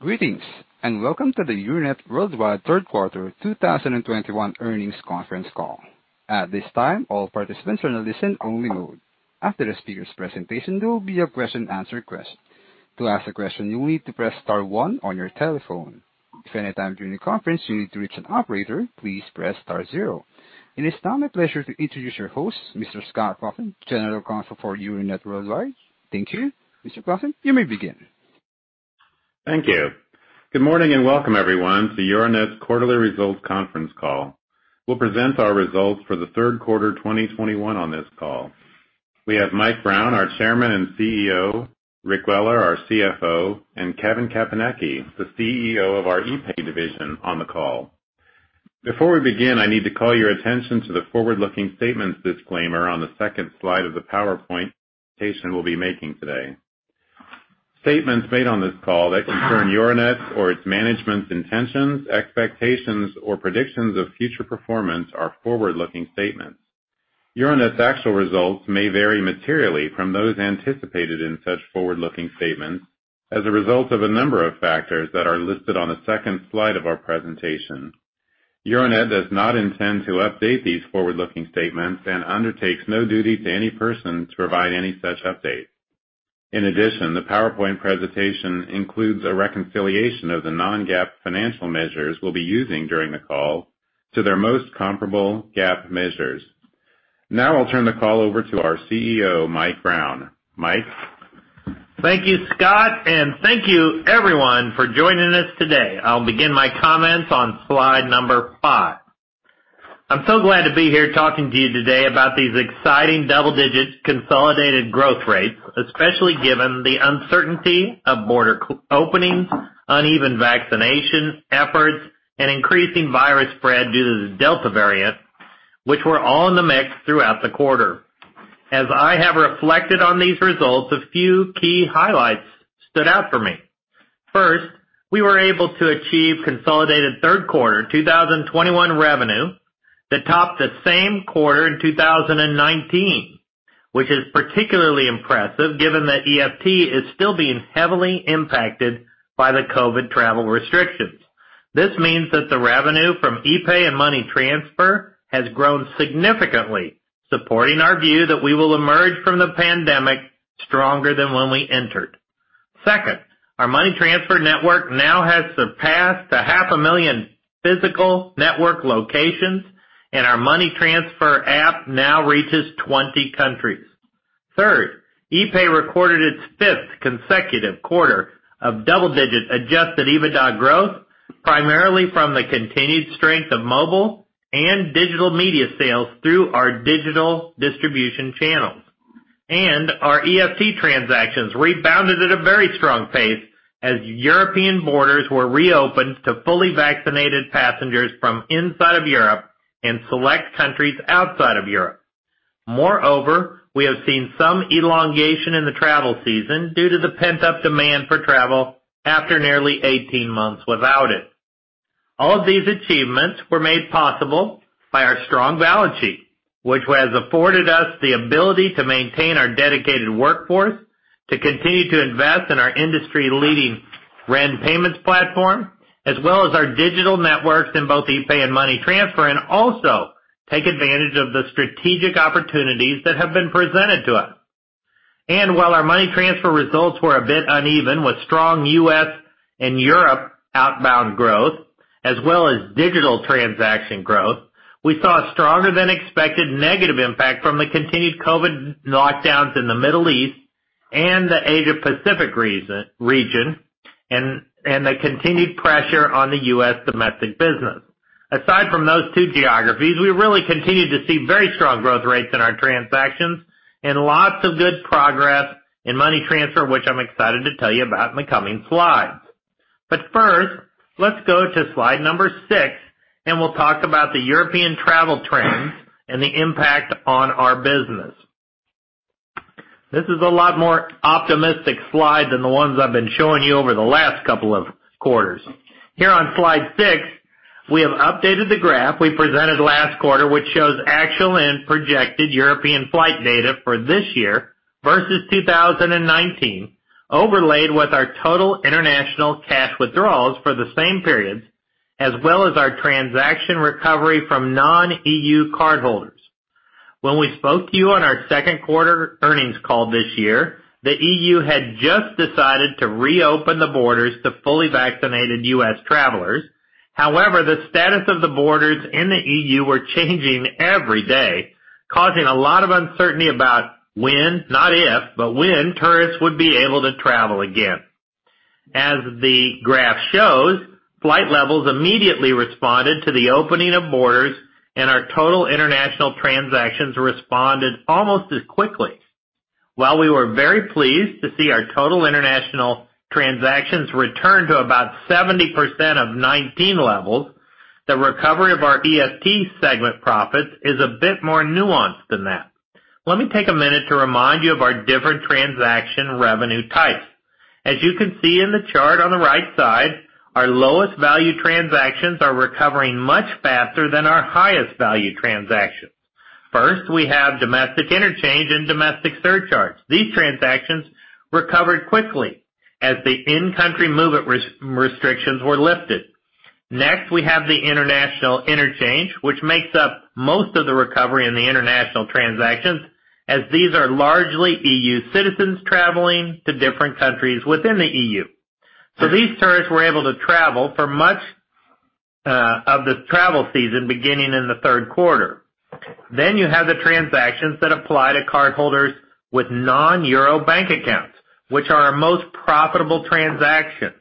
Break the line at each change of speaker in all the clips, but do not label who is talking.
Greetings, and welcome to the Euronet Worldwide third quarter 2021 earnings conference call. It is now my pleasure to introduce your host, Mr. Scott Claassen, General Counsel for Euronet Worldwide. Thank you. Mr. Claassen, you may begin.
Thank you. Good morning and welcome, everyone, to Euronet's quarterly results conference call. We'll present our results for the third quarter 2021 on this call. We have Mike Brown, our Chairman and CEO, Rick Weller, our CFO, and Kevin Caponecchi, the CEO of our epay division, on the call. Before we begin, I need to call your attention to the forward-looking statements disclaimer on the second slide of the PowerPoint presentation we'll be making today. Statements made on this call that concern Euronet or its management's intentions, expectations, or predictions of future performance are forward-looking statements. Euronet's actual results may vary materially from those anticipated in such forward-looking statements as a result of a number of factors that are listed on the second slide of our presentation. Euronet does not intend to update these forward-looking statements and undertakes no duty to any person to provide any such update. In addition, the PowerPoint presentation includes a reconciliation of the non-GAAP financial measures we'll be using during the call to their most comparable GAAP measures. Now I'll turn the call over to our CEO, Mike Brown. Mike?
Thank you, Scott, and thank you everyone for joining us today. I'll begin my comments on slide number five. I'm so glad to be here talking to you today about these exciting double-digit consolidated growth rates, especially given the uncertainty of border openings, uneven vaccination efforts, and increasing virus spread due to the Delta variant, which were all in the mix throughout the quarter. As I have reflected on these results, a few key highlights stood out for me. First, we were able to achieve consolidated third quarter 2021 revenue that topped the same quarter in 2019, which is particularly impressive given that EFT is still being heavily impacted by the COVID travel restrictions. This means that the revenue from epay and Money Transfer has grown significantly, supporting our view that we will emerge from the pandemic stronger than when we entered. Second, our Money Transfer network now has surpassed a half a million physical network locations, and our Money Transfer app now reaches 20 countries. Third, epay recorded its fifth consecutive quarter of double-digit adjusted EBITDA growth, primarily from the continued strength of mobile and digital media sales through our digital distribution channels. Our EFT transactions rebounded at a very strong pace as European borders were reopened to fully vaccinated passengers from inside of Europe and select countries outside of Europe. Moreover, we have seen some elongation in the travel season due to the pent-up demand for travel after nearly 18 months without it. All of these achievements were made possible by our strong balance sheet, which has afforded us the ability to maintain our dedicated workforce, to continue to invest in our industry-leading REN payments platform, as well as our digital networks in both epay and Money Transfer, also take advantage of the strategic opportunities that have been presented to us. While our Money Transfer results were a bit uneven, with strong U.S. and Europe outbound growth, as well as digital transaction growth, we saw a stronger than expected negative impact from the continued COVID lockdowns in the Middle East and the Asia Pacific region, and the continued pressure on the U.S. domestic business. Aside from those two geographies, we really continued to see very strong growth rates in our transactions and lots of good progress in Money Transfer, which I'm excited to tell you about in the coming slides. First, let's go to slide number six, and we'll talk about the European travel trends and the impact on our business. This is a lot more optimistic slide than the ones I've been showing you over the last couple of quarters. Here on slide six, we have updated the graph we presented last quarter, which shows actual and projected European flight data for this year versus 2019, overlaid with our total international cash withdrawals for the same periods, as well as our transaction recovery from non-EU cardholders. When we spoke to you on our second quarter earnings call this year, the EU had just decided to reopen the borders to fully vaccinated U.S. travelers. The status of the borders in the EU were changing every day, causing a lot of uncertainty about when, not if, but when tourists would be able to travel again. As the graph shows, flight levels immediately responded to the opening of borders, and our total international transactions responded almost as quickly. While we were very pleased to see our total international transactions return to about 70% of 2019 levels, the recovery of our EFT segment profits is a bit more nuanced than that. Let me take a minute to remind you of our different transaction revenue types. As you can see in the chart on the right side, our lowest value transactions are recovering much faster than our highest value transactions. First, we have domestic interchange and domestic surcharges. These transactions recovered quickly as the in-country movement restrictions were lifted. We have the international interchange, which makes up most of the recovery in the international transactions, as these are largely EU citizens traveling to different countries within the EU. These tourists were able to travel for much of the travel season, beginning in the third quarter. You have the transactions that apply to cardholders with non-EUR bank accounts, which are our most profitable transactions.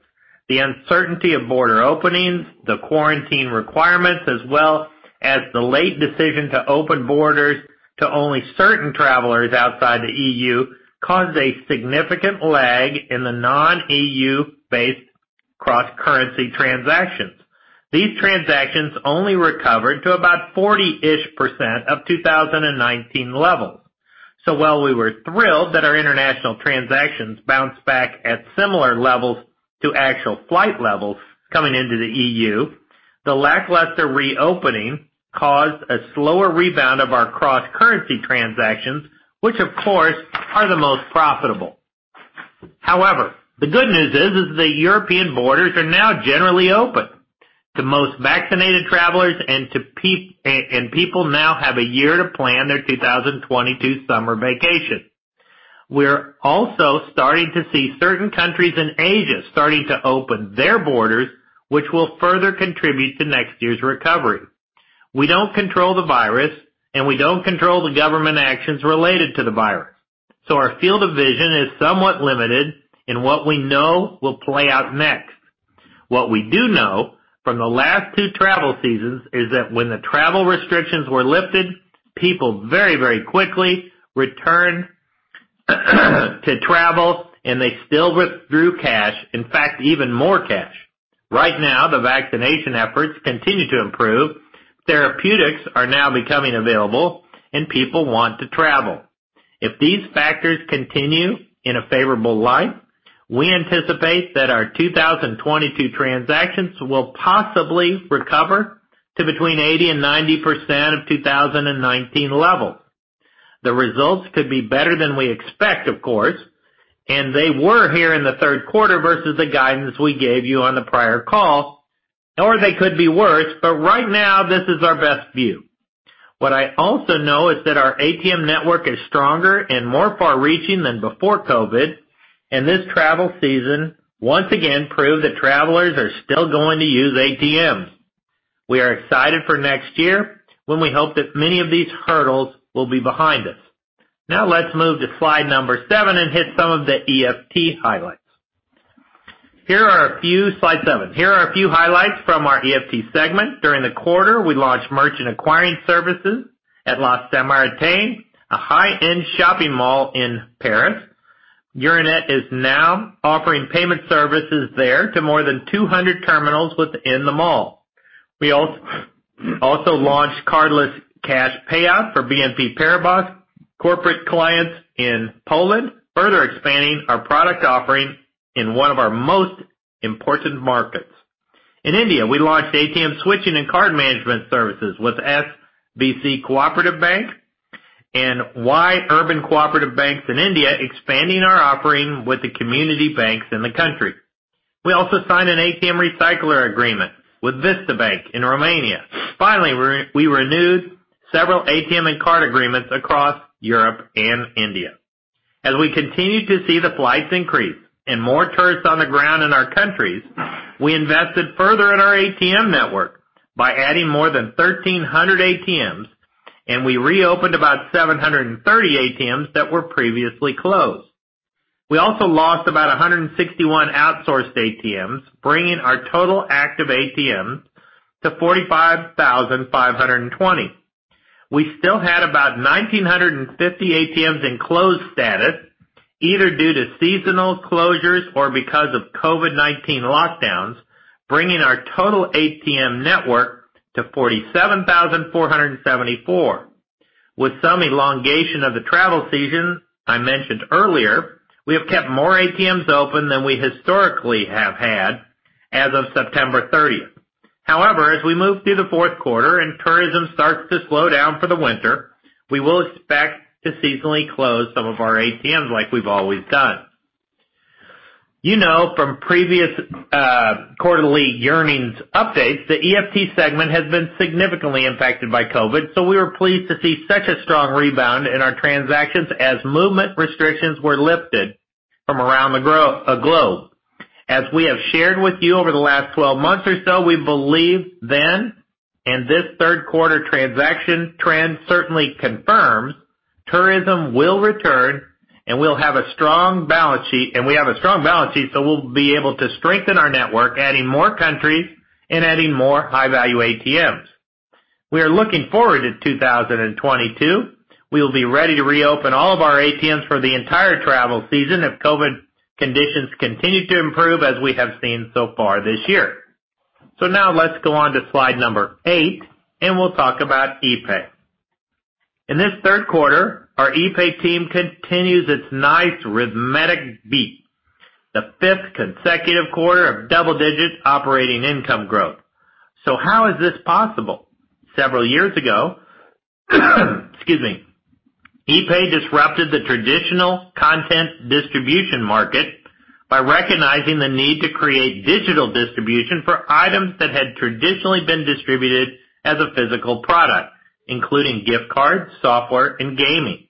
The uncertainty of border openings, the quarantine requirements, as well as the late decision to open borders to only certain travelers outside the EU, caused a significant lag in the non-EU-based cross-currency transactions. These transactions only recovered to about 40%ish of 2019 levels. While we were thrilled that our international transactions bounced back at similar levels to actual flight levels coming into the EU, the lackluster reopening caused a slower rebound of our cross-currency transactions, which, of course, are the most profitable. The good news is that the European borders are now generally open to most vaccinated travelers, and people now have a year to plan their 2022 summer vacation. We're also starting to see certain countries in Asia starting to open their borders, which will further contribute to next year's recovery. We don't control the virus, and we don't control the government actions related to the virus. Our field of vision is somewhat limited in what we know will play out next. What we do know from the last two travel seasons is that when the travel restrictions were lifted, people very, very quickly returned to travel, and they still withdrew cash, in fact, even more cash. Right now, the vaccination efforts continue to improve, therapeutics are now becoming available, and people want to travel. If these factors continue in a favorable light, we anticipate that our 2022 transactions will possibly recover to between 80% and 90% of 2019 levels. The results could be better than we expect, of course, they were here in the third quarter versus the guidance we gave you on the prior call. They could be worse, right now this is our best view. What I also know is that our ATM network is stronger and more far-reaching than before COVID, this travel season once again proved that travelers are still going to use ATMs. We are excited for next year when we hope that many of these hurdles will be behind us. Let's move to slide number seven and hit some of the EFT highlights. Slide seven. Here are a few highlights from our EFT segment. During the quarter, we launched merchant acquiring services at La Samaritaine, a high-end shopping mall in Paris. Euronet is now offering payment services there to more than 200 terminals within the mall. We also launched cardless cash payout for BNP Paribas corporate clients in Poland, further expanding our product offering in one of our most important markets. In India, we launched ATM switching and card management services with SVC Co-operative Bank and urban cooperative banks in India, expanding our offering with the community banks in the country. We also signed an ATM recycler agreement with Vista Bank in Romania. Finally, we renewed several ATM and card agreements across Europe and India. As we continue to see the flights increase and more tourists on the ground in our countries, we invested further in our ATM network by adding more than 1,300 ATMs, and we reopened about 730 ATMs that were previously closed. We also lost about 161 outsourced ATMs, bringing our total active ATMs to 45,520. We still had about 1,950 ATMs in closed status, either due to seasonal closures or because of COVID-19 lockdowns, bringing our total ATM network to 47,474. With some elongation of the travel season I mentioned earlier, we have kept more ATMs open than we historically have had as of September 30th. As we move through the fourth quarter and tourism starts to slow down for the winter, we will expect to seasonally close some of our ATMs like we've always done. You know, from previous quarterly earnings updates, the EFT segment has been significantly impacted by COVID, so we were pleased to see such a strong rebound in our transactions as movement restrictions were lifted from around the globe. As we have shared with you over the last 12 months or so, we believed then, and this third quarter transaction trend certainly confirms, tourism will return, and we have a strong balance sheet, we'll be able to strengthen our network, adding more countries and adding more high-value ATMs. We are looking forward to 2022. We will be ready to reopen all of our ATMs for the entire travel season if COVID conditions continue to improve as we have seen so far this year. Now let's go on to slide number eight, and we'll talk about epay. In this third quarter, our epay team continues its nice rhythmic beat. The fifth consecutive quarter of double-digit operating income growth. How is this possible? Several years ago, excuse me, epay disrupted the traditional content distribution market by recognizing the need to create digital distribution for items that had traditionally been distributed as a physical product, including gift cards, software, and gaming.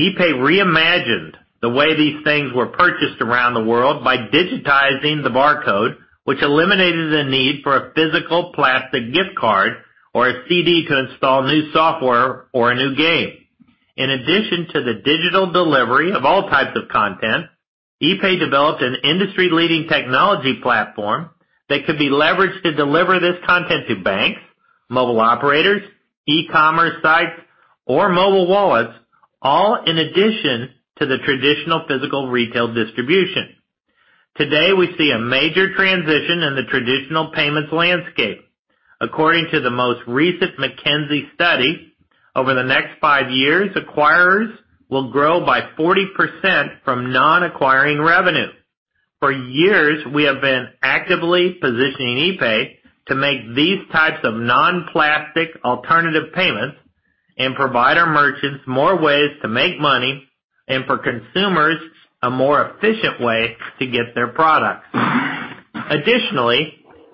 epay reimagined the way these things were purchased around the world by digitizing the barcode, which eliminated the need for a physical plastic gift card or a CD to install new software or a new game. In addition to the digital delivery of all types of content, epay developed an industry-leading technology platform that could be leveraged to deliver this content to banks, mobile operators, e-commerce sites, or mobile wallets, all in addition to the traditional physical retail distribution. Today, we see a major transition in the traditional payments landscape. According to the most recent McKinsey study, over the next five years, acquirers will grow by 40% from non-acquiring revenue. For years, we have been actively positioning epay to make these types of non-plastic alternative payments and provide our merchants more ways to make money and for consumers a more efficient way to get their products. Additionally,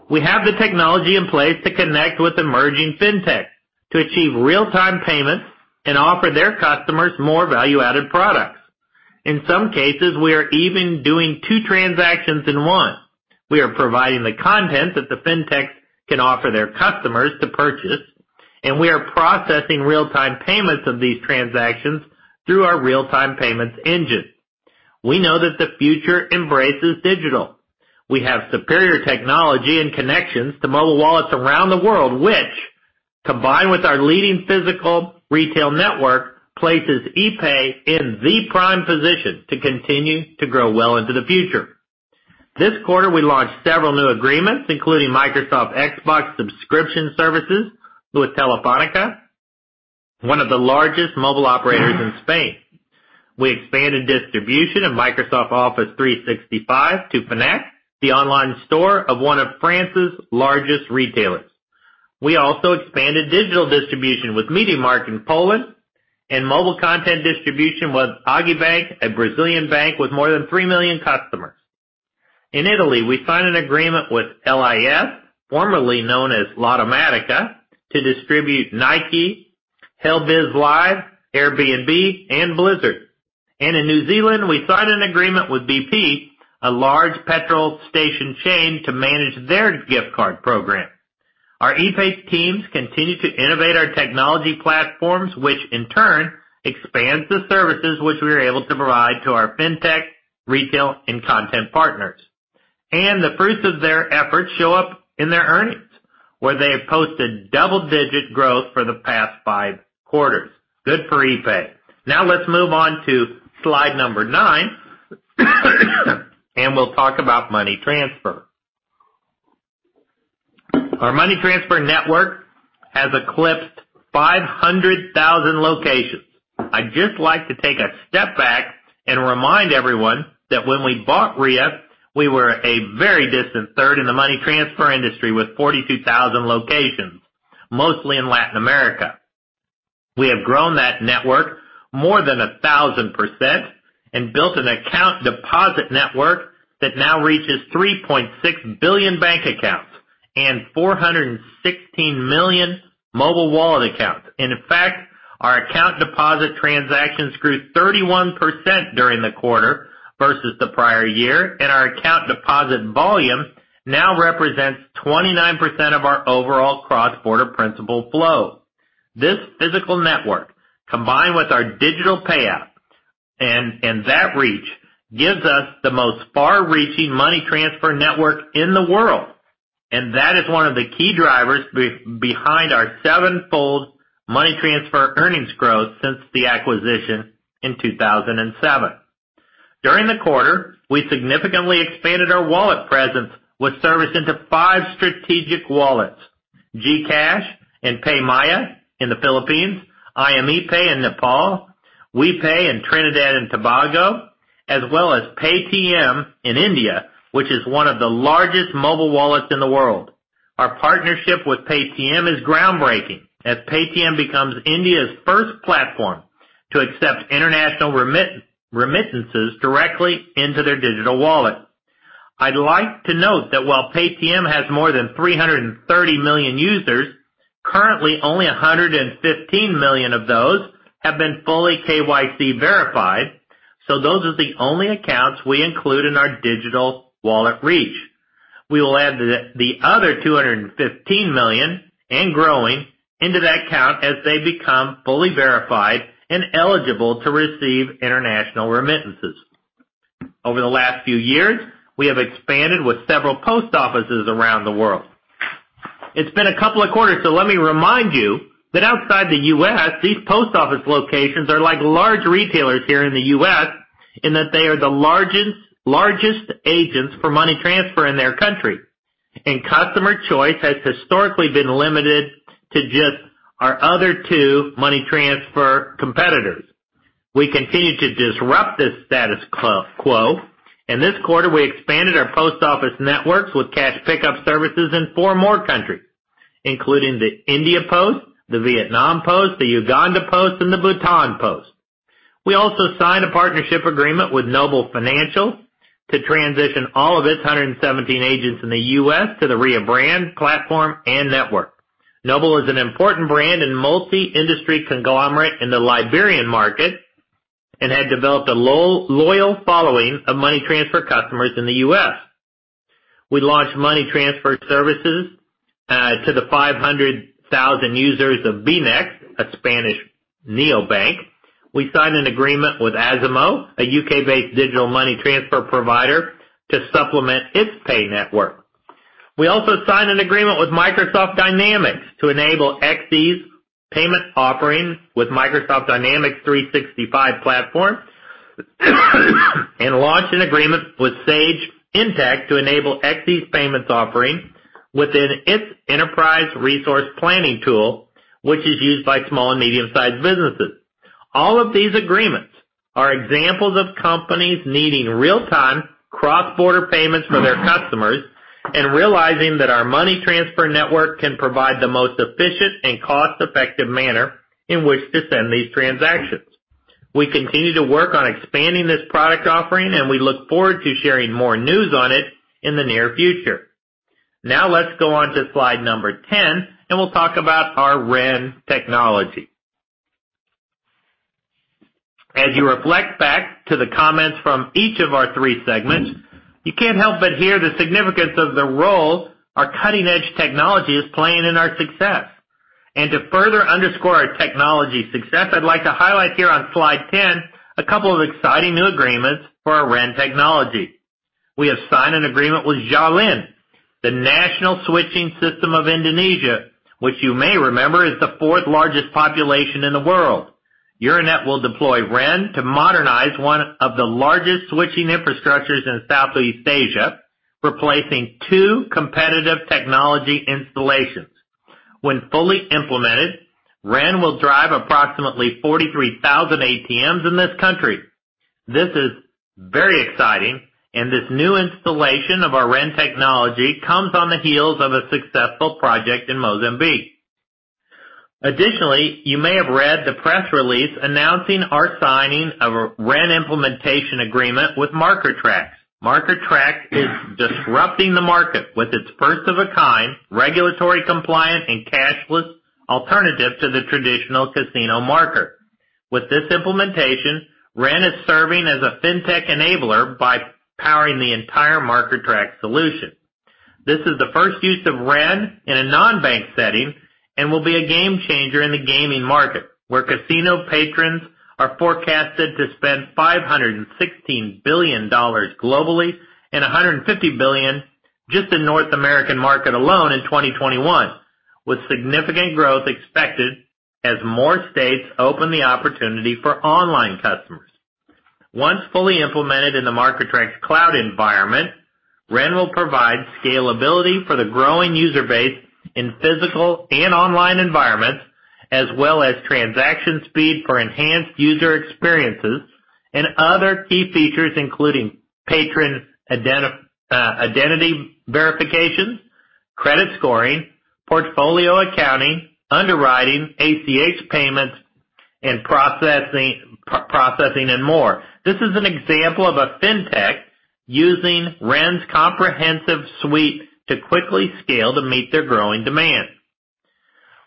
we have the technology in place to connect with emerging fintech to achieve real-time payments and offer their customers more value-added products. In some cases, we are even doing two transactions in one. We are providing the content that the fintechs can offer their customers to purchase, and we are processing real-time payments of these transactions through our real-time payments engine. We know that the future embraces digital. We have superior technology and connections to mobile wallets around the world, which, combined with our leading physical retail network, places epay in the prime position to continue to grow well into the future. This quarter, we launched several new agreements, including Microsoft Xbox subscription services with Telefónica, one of the largest mobile operators in Spain. We expanded distribution of Microsoft Office 365 to Fnac, the online store of one of France's largest retailers. We also expanded digital distribution with MediaMarkt in Poland and mobile content distribution with Agibank, a Brazilian bank with more than 3 million customers. In Italy, we signed an agreement with LIS, formerly known as Lottomatica, to distribute Nike, Helbiz Live, Airbnb, and Blizzard. In New Zealand, we signed an agreement with BP, a large petrol station chain, to manage their gift card program. Our epay teams continue to innovate our technology platforms, which in turn expands the services which we are able to provide to our fintech, retail, and content partners. The fruits of their efforts show up in their earnings, where they have posted double-digit growth for the past five quarters. Good for epay. Let's move on to slide number nine, and we'll talk about money transfer. Our money transfer network has eclipsed 500,000 locations. I'd just like to take a step back and remind everyone that when we bought Ria, we were a very distant third in the money transfer industry with 42,000 locations, mostly in Latin America. We have grown that network more than 1,000% and built an account deposit network that now reaches 3.6 billion bank accounts and 416 million mobile wallet accounts. In fact, our account deposit transactions grew 31% during the quarter versus the prior year, and our account deposit volume now represents 29% of our overall cross-border principal flow. This physical network, combined with our digital pay app and that reach, gives us the most far-reaching money transfer network in the world. That is one of the key drivers behind our seven-fold money transfer earnings growth since the acquisition in 2007. During the quarter, we significantly expanded our wallet presence with service into five strategic wallets: GCash and PayMaya in the Philippines, IME Pay in Nepal, WiPay in Trinidad and Tobago, as well as Paytm in India, which is one of the largest mobile wallets in the world. Our partnership with Paytm is groundbreaking as Paytm becomes India's first platform to accept international remittances directly into their digital wallet. I'd like to note that while Paytm has more than $330 million users, currently only $115 million of those have been fully KYC-verified. Those are the only accounts we include in our digital wallet reach. We will add the other $215 million and growing into that count as they become fully verified and eligible to receive international remittances. Over the last few years, we have expanded with several post offices around the world. It's been a couple of quarters. Let me remind you that outside the U.S., these post office locations are like large retailers here in the U.S. in that they are the largest agents for money transfer in their country. Customer choice has historically been limited to just our other two money transfer competitors. We continue to disrupt this status quo. In this quarter, we expanded our post office networks with cash pickup services in four more countries, including the India Post, the Vietnam Post, the Uganda Post, and the Bhutan Post. We also signed a partnership agreement with Nobel Financial to transition all of its 117 agents in the U.S. to the Ria brand, platform, and network. Nobel is an important brand and multi-industry conglomerate in the Liberian market, and had developed a loyal following of money transfer customers in the U.S. We launched money transfer services to the 500,000 users of Bnext, a Spanish neobank. We signed an agreement with Azimo, a U.K.-based digital money transfer provider, to supplement its epay network. We also signed an agreement with Microsoft Dynamics to enable Xe's payment offering with Microsoft Dynamics 365 platform and launched an agreement with Sage Intacct to enable Xe's payments offering within its enterprise resource planning tool, which is used by small and medium-sized businesses. All of these agreements are examples of companies needing real-time, cross-border payments for their customers, and realizing that our money transfer network can provide the most efficient and cost-effective manner in which to send these transactions. We continue to work on expanding this product offering, and we look forward to sharing more news on it in the near future. Let's go on to slide number 10, and we'll talk about our REN technology. As you reflect back to the comments from each of our three segments, you can't help but hear the significance of the role our cutting-edge technology is playing in our success. To further underscore our technology success, I'd like to highlight here on slide 10 a couple of exciting new agreements for our REN technology. We have signed an agreement with Jalin, the national switching system of Indonesia, which you may remember is the fourth largest population in the world. Euronet will deploy REN to modernize one of the largest switching infrastructures in Southeast Asia, replacing two competitive technology installations. When fully implemented, REN will drive approximately 43,000 ATMs in this country. This is very exciting, and this new installation of our REN technology comes on the heels of a successful project in Mozambique. Additionally, you may have read the press release announcing our signing of a REN implementation agreement with Marker Trax. Marker Trax is disrupting the market with its first-of-a-kind regulatory compliant and cashless alternative to the traditional casino marker. With this implementation, REN is serving as a fintech enabler by powering the entire Marker Trax solution. This is the first use of REN in a non-bank setting and will be a game-changer in the gaming market, where casino patrons are forecasted to spend $516 billion globally and $150 billion just in North American market alone in 2021, with significant growth expected as more states open the opportunity for online customers. Once fully implemented in the Marker Trax's cloud environment, REN will provide scalability for the growing user base in physical and online environments, as well as transaction speed for enhanced user experiences and other key features, including patron identity verifications, credit scoring, portfolio accounting, underwriting, ACH payments, and processing, and more. This is an example of a fintech using REN's comprehensive suite to quickly scale to meet their growing demand.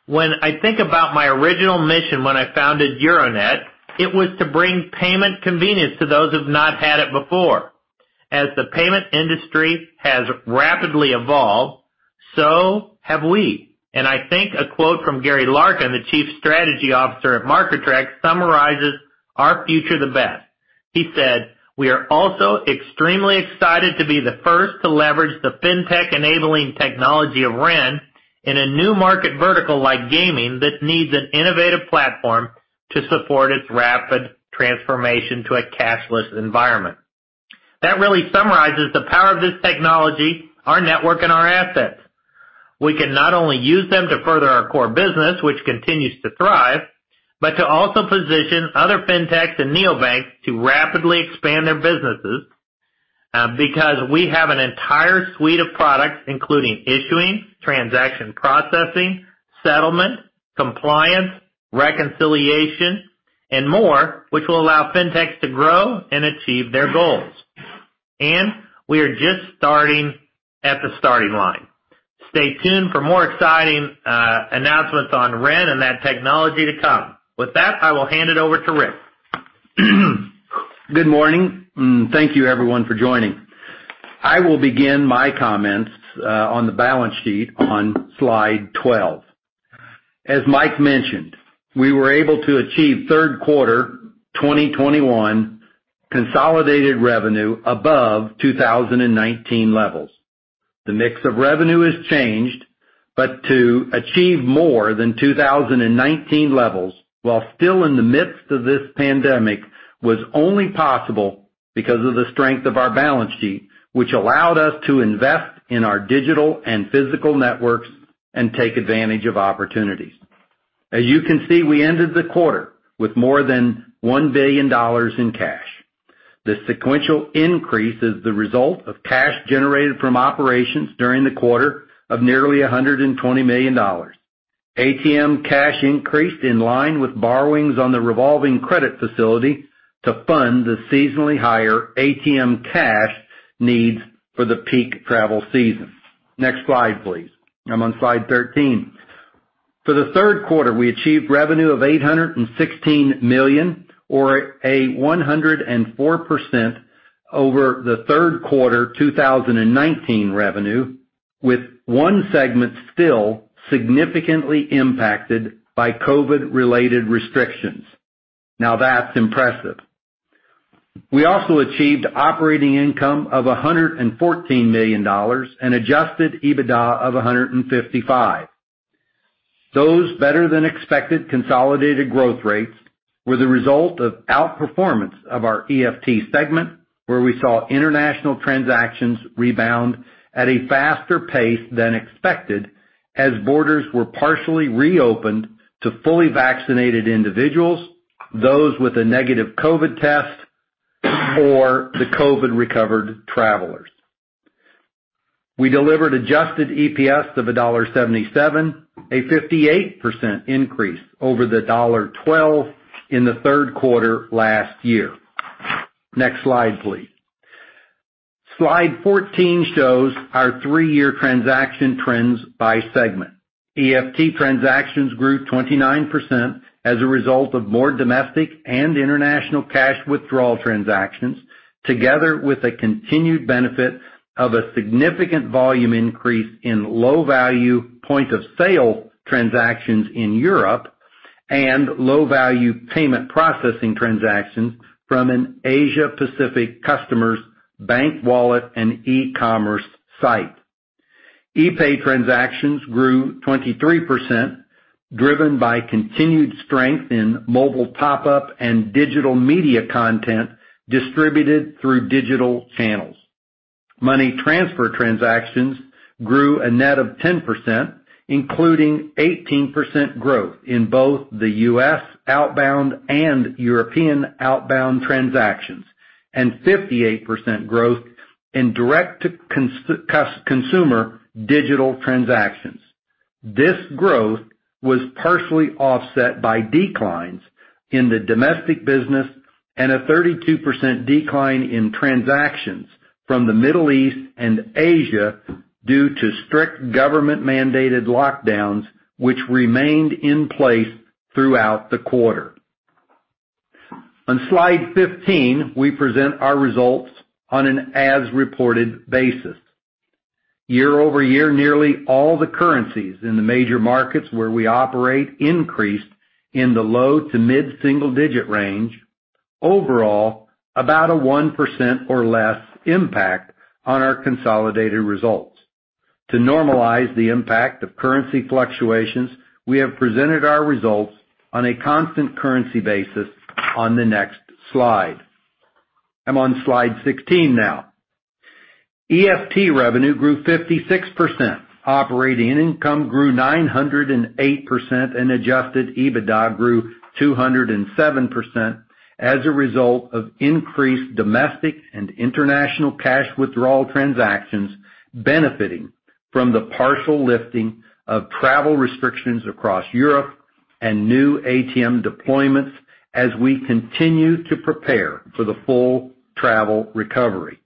When I think about my original mission when I founded Euronet, it was to bring payment convenience to those who've not had it before. As the payment industry has rapidly evolved, so have we. I think a quote from Gary Larkin, the Chief Strategy Officer at Marker Trax, summarizes our future the best. He said, "We are also extremely excited to be the first to leverage the fintech-enabling technology of REN in a new market vertical like gaming that needs an innovative platform to support its rapid transformation to a cashless environment." That really summarizes the power of this technology, our network, and our assets. We can not only use them to further our core business, which continues to thrive, but to also position other fintechs and neobanks to rapidly expand their businesses, because we have an entire suite of products, including issuing, transaction processing, settlement, compliance, reconciliation, and more, which will allow fintechs to grow and achieve their goals. We are just starting at the starting line. Stay tuned for more exciting announcements on REN and that technology to come. With that, I will hand it over to Rick.
Good morning. Thank you everyone for joining. I will begin my comments on the balance sheet on slide 12. As Mike mentioned, we were able to achieve third quarter 2021 consolidated revenue above 2019 levels. The mix of revenue has changed. To achieve more than 2019 levels while still in the midst of this pandemic was only possible because of the strength of our balance sheet, which allowed us to invest in our digital and physical networks and take advantage of opportunities. As you can see, we ended the quarter with more than $1 billion in cash. The sequential increase is the result of cash generated from operations during the quarter of nearly $120 million. ATM cash increased in line with borrowings on the revolving credit facility to fund the seasonally higher ATM cash needs for the peak travel season. Next slide, please. I'm on slide 13. For the third quarter, we achieved revenue of $816 million, or 104% over the third quarter 2019 revenue, with one segment still significantly impacted by COVID-related restrictions. That's impressive. We also achieved operating income of $114 million and adjusted EBITDA of $155 million. Those better-than-expected consolidated growth rates were the result of outperformance of our EFT segment, where we saw international transactions rebound at a faster pace than expected as borders were partially reopened to fully vaccinated individuals, those with a negative COVID test, or the COVID-recovered travelers. We delivered adjusted EPS of $1.77, a 58% increase over the $1.12 in the third quarter last year. Next slide, please. Slide 14 shows our three-year transaction trends by segment. EFT transactions grew 29% as a result of more domestic and international cash withdrawal transactions, together with a continued benefit of a significant volume increase in low-value point-of-sale transactions in Europe and low-value payment processing transactions from an Asia-Pacific customer's bank wallet and e-commerce site. Epay transactions grew 23%, driven by continued strength in mobile top-up and digital media content distributed through digital channels. Money transfer transactions grew a net of 10%, including 18% growth in both the U.S. outbound and European outbound transactions, and 58% growth in direct-to-consumer digital transactions. This growth was partially offset by declines in the domestic business and a 32% decline in transactions from the Middle East and Asia due to strict government-mandated lockdowns, which remained in place throughout the quarter. On Slide 15, we present our results on an as-reported basis. Year-over-year, nearly all the currencies in the major markets where we operate increased in the low to mid-single-digit range. Overall, about a 1% or less impact on our consolidated results. To normalize the impact of currency fluctuations, we have presented our results on a constant currency basis on the next slide. I'm on slide 16 now. EFT revenue grew 56%, operating income grew 908%, and adjusted EBITDA grew 207% as a result of increased domestic and international cash withdrawal transactions benefiting from the partial lifting of travel restrictions across Europe and new ATM deployments as we continue to prepare for the full travel recovery.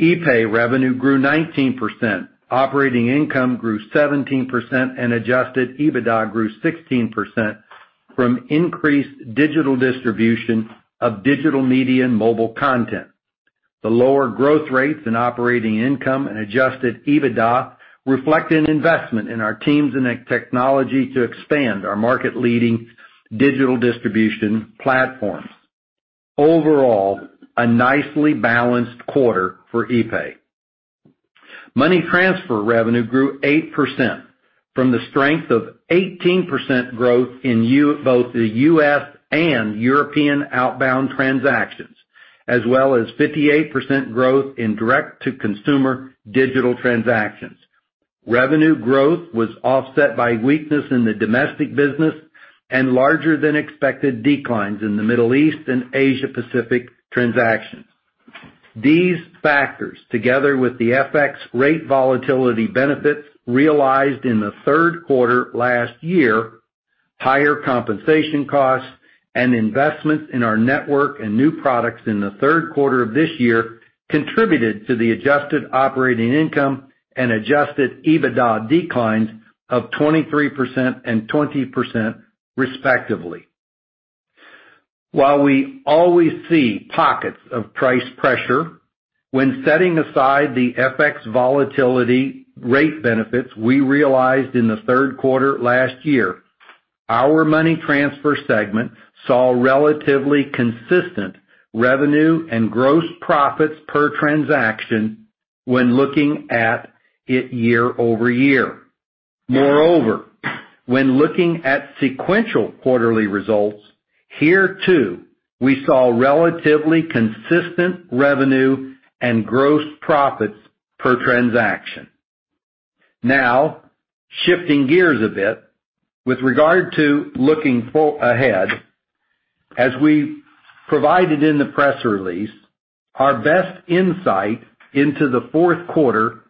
epay revenue grew 19%, operating income grew 17%, and adjusted EBITDA grew 16% from increased digital distribution of digital media and mobile content. The lower growth rates in operating income and adjusted EBITDA reflect an investment in our teams and technology to expand our market-leading digital distribution platforms. Overall, a nicely balanced quarter for epay. Money transfer revenue grew 8% from the strength of 18% growth in both the U.S. and European outbound transactions, as well as 58% growth in direct-to-consumer digital transactions. Revenue growth was offset by weakness in the domestic business and larger than expected declines in the Middle East and Asia Pacific transactions. These factors, together with the FX rate volatility benefits realized in the third quarter last year, higher compensation costs, and investments in our network and new products in the third quarter of this year, contributed to the adjusted operating income and adjusted EBITDA declines of 23% and 20%, respectively. While we always see pockets of price pressure, when setting aside the FX volatility rate benefits we realized in the third quarter last year. Our money transfer segment saw relatively consistent revenue and gross profits per transaction when looking at it year-over-year. When looking at sequential quarterly results, here too, we saw relatively consistent revenue and gross profits per transaction. Shifting gears a bit, with regard to looking full ahead, as we provided in the press release, our best insight into the fourth quarter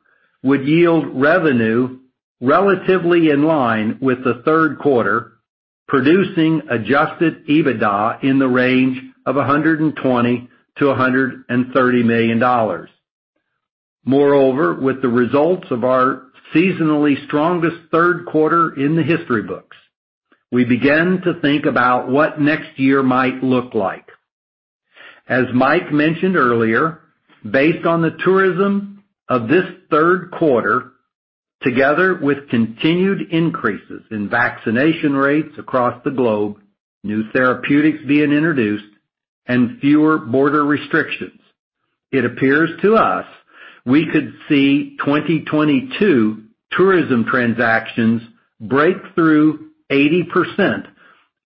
would yield revenue relatively in line with the third quarter, producing adjusted EBITDA in the range of $120 million-$130 million. With the results of our seasonally strongest third quarter in the history books, we begin to think about what next year might look like. As Mike mentioned earlier, based on the tourism of this third quarter, together with continued increases in vaccination rates across the globe, new therapeutics being introduced, and fewer border restrictions, it appears to us we could see 2022 tourism transactions break through 80%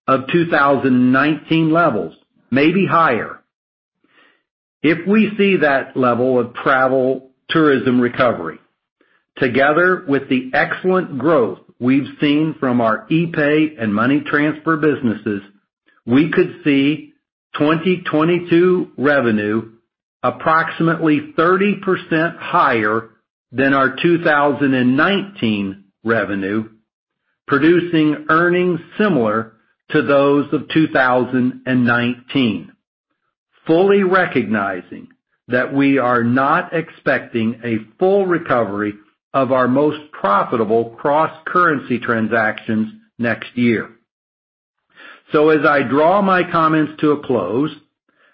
of 2019 levels, maybe higher. If we see that level of travel tourism recovery, together with the excellent growth we've seen from our epay and money transfer businesses, we could see 2022 revenue approximately 30% higher than our 2019 revenue, producing earnings similar to those of 2019. Fully recognizing that we are not expecting a full recovery of our most profitable cross-currency transactions next year. As I draw my comments to a close,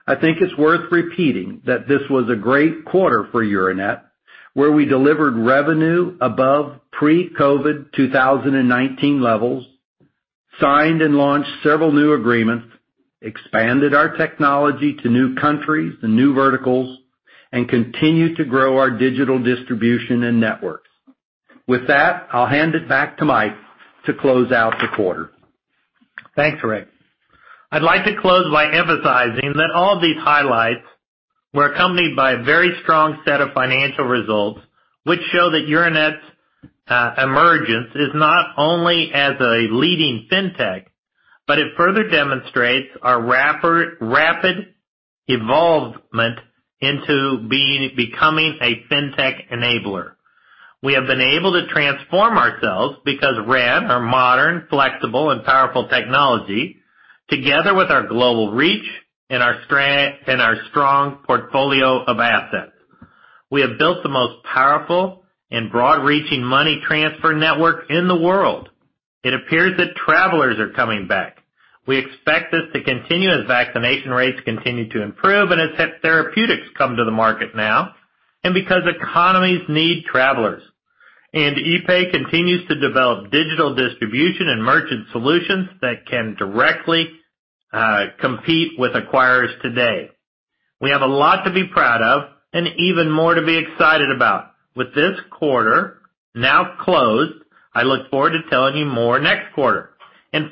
I think it's worth repeating that this was a great quarter for Euronet, where we delivered revenue above pre-COVID 2019 levels, signed and launched several new agreements, expanded our technology to new countries and new verticals, and continued to grow our digital distribution and networks. With that, I'll hand it back to Mike to close out the quarter.
Thanks, Rick. I'd like to close by emphasizing that all of these highlights were accompanied by a very strong set of financial results, which show that Euronet's emergence is not only as a leading fintech, but it further demonstrates our rapid evolvement into becoming a fintech enabler. We have been able to transform ourselves because REN, our modern, flexible, and powerful technology, together with our global reach and our strong portfolio of assets. We have built the most powerful and broad-reaching money transfer network in the world. It appears that travelers are coming back. We expect this to continue as vaccination rates continue to improve and as therapeutics come to the market now. Because economies need travelers. epay continues to develop digital distribution and merchant solutions that can directly compete with acquirers today. We have a lot to be proud of and even more to be excited about. With this quarter now closed, I look forward to telling you more next quarter.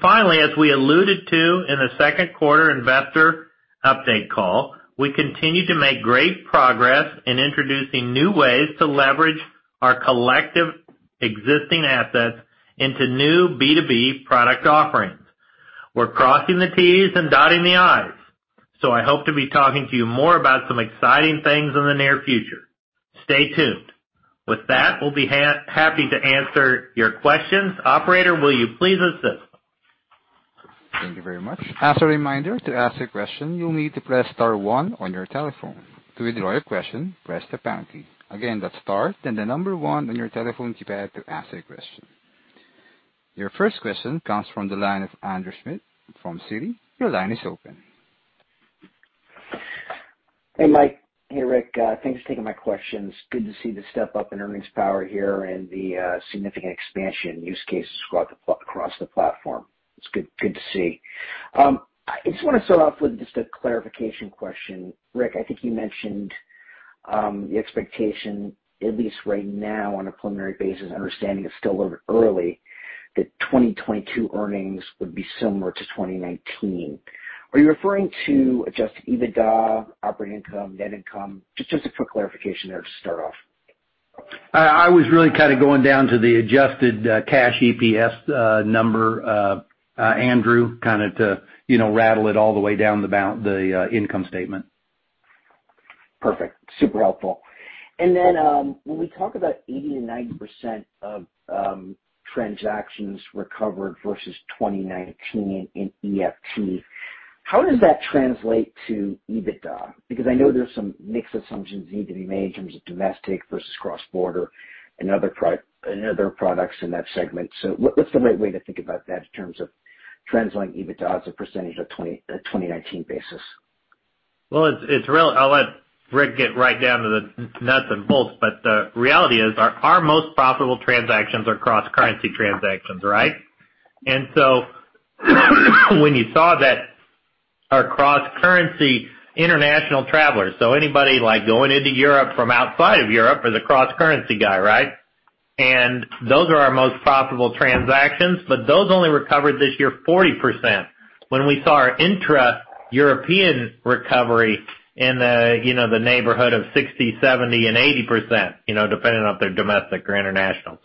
Finally, as we alluded to in the second quarter investor update call, we continue to make great progress in introducing new ways to leverage our collective existing assets into new B2B product offerings. We're crossing the T's and dotting the I's, so I hope to be talking to you more about some exciting things in the near future. Stay tuned. With that, we'll be happy to answer your questions. Operator, will you please assist?
Thank you very much. Your first question comes from the line of Andrew Schmidt from Citi. Your line is open.
Hey, Mike. Hey, Rick. Thanks for taking my questions. Good to see the step-up in earnings power here and the significant expansion use cases across the platform. It's good to see. I just want to start off with just a clarification question. Rick, I think you mentioned the expectation, at least right now on a preliminary basis, understanding it's still a little early, that 2022 earnings would be similar to 2019. Are you referring to adjusted EBITDA, operating income, net income? Just a quick clarification there to start off.
I was really kind of going down to the adjusted cash EPS number, Andrew, kind of to rattle it all the way down the income statement.
Perfect. Super helpful. When we talk about 80%-90% of transactions recovered versus 2019 in EFT, how does that translate to EBITDA? Because I know there's some mixed assumptions need to be made in terms of domestic versus cross-border and other products in that segment. What's the right way to think about that in terms of translating EBITDA as a % of 2019 basis?
I'll let Rick get right down to the nuts and bolts, but the reality is our most profitable transactions are cross-currency transactions, right? When you saw that our cross-currency international travelers, so anybody going into Europe from outside of Europe is a cross-currency guy. Those are our most profitable transactions, but those only recovered this year 40%, when we saw our intra-European recovery in the neighborhood of 60%, 70% and 80%, depending on if they're domestic or international.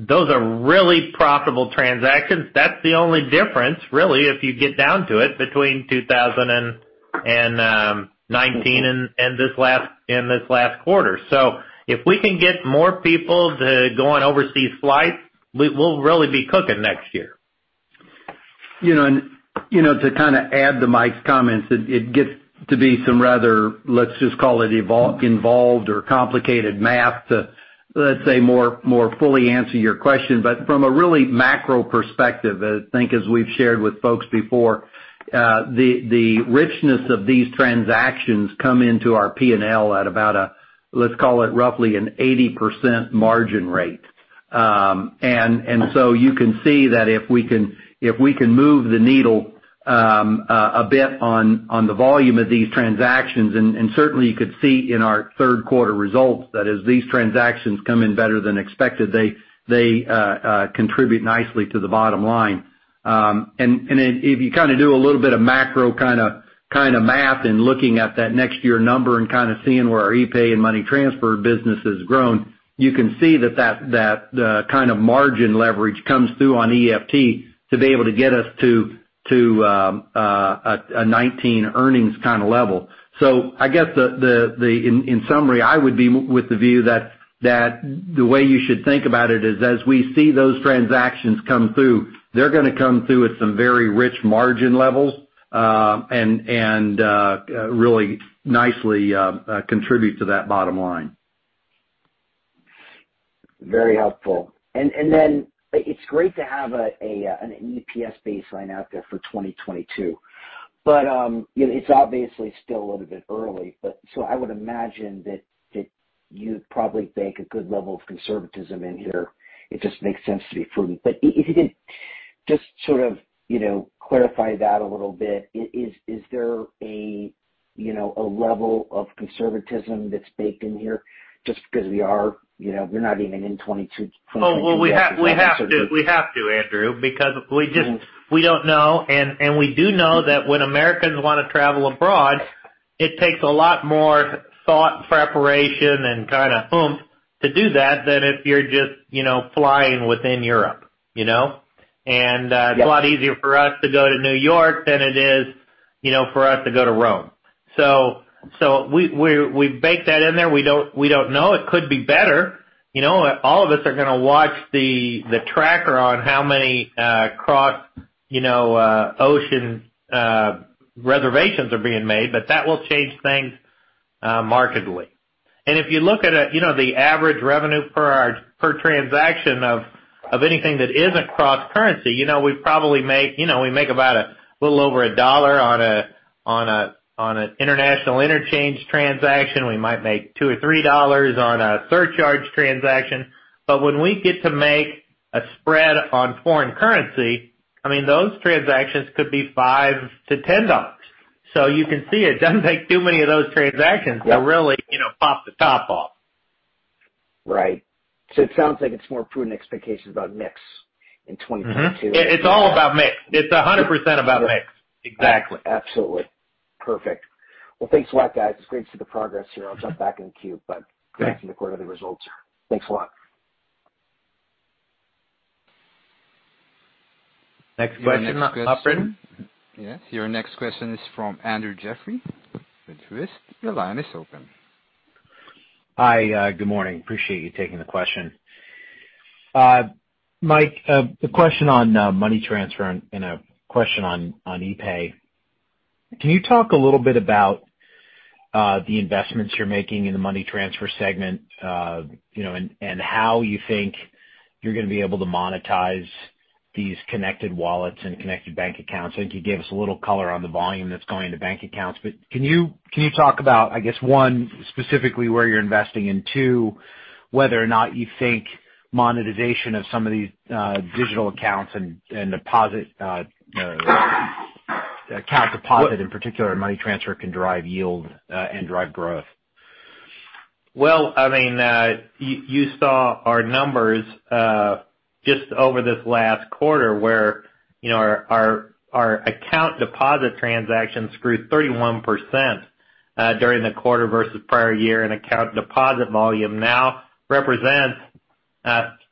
Those are really profitable transactions. That's the only difference, really, if you get down to it, between 2019 and this last quarter. If we can get more people to go on overseas flights, we'll really be cooking next year.
To add to Mike's comments, it gets to be some rather, let's just call it involved or complicated math to, let's say, more fully answer your question. From a really macro perspective, I think as we've shared with folks before, the richness of these transactions come into our P&L at about, let's call it roughly an 80% margin rate. You can see that if we can move the needle a bit on the volume of these transactions, and certainly you could see in our third quarter results that as these transactions come in better than expected, they contribute nicely to the bottom line. If you do a little bit of macro math in looking at that next year number and seeing where our epay and money transfer business has grown, you can see that the kind of margin leverage comes through on EFT to be able to get us to a 19 earnings kind of level. I guess, in summary, I would be with the view that the way you should think about it is as we see those transactions come through, they're going to come through at some very rich margin levels, and really nicely contribute to that bottom line.
Very helpful. It's great to have an EPS baseline out there for 2022. It's obviously still a little bit early, I would imagine that you probably bake a good level of conservatism in here. It just makes sense to be prudent. If you could just sort of clarify that a little bit. Is there a level of conservatism that's baked in here just because we're not even in 2022 yet?
We have to, Andrew, because we don't know, and we do know that when Americans want to travel abroad, it takes a lot more thought, preparation, and kind of oomph to do that than if you're just flying within Europe.
Yes.
It's a lot easier for us to go to New York than it is for us to go to Rome. We baked that in there. We don't know. It could be better. All of us are going to watch the tracker on how many cross ocean reservations are being made, but that will change things markedly. If you look at the average revenue per transaction of anything that isn't cross-currency, we probably make about a little over $1 on an international interchange transaction. We might make $2 or $3 on a surcharge transaction. When we get to make a spread on foreign currency, I mean, those transactions could be $5-$10. You can see it doesn't take too many of those transactions.
Yeah.
To really pop the top off.
Right. It sounds like it's more prudent expectations about mix in 2022.
It's all about mix. It's 100% about mix. Exactly.
Absolutely. Perfect. Well, thanks a lot, guys. It's great to see the progress here. I'll jump back in the queue. Thanks for the quarterly results. Thanks a lot.
Next question, operator.
Yes, your next question is from Andrew Jeffrey with Truist. Your line is open.
Hi. Good morning. Appreciate you taking the question. Mike, a question on money transfer and a question on epay. Can you talk a little bit about the investments you're making in the money transfer segment, and how you think you're going to be able to monetize these connected wallets and connected bank accounts? I think you gave us a little color on the volume that's going to bank accounts. Can you talk about, I guess, one, specifically where you're investing, and two, whether or not you think monetization of some of these digital accounts and account deposit in particular money transfer can drive yield and drive growth?
Well, you saw our numbers just over this last quarter where our account deposit transactions grew 31% during the quarter versus prior year, and account deposit volume now represents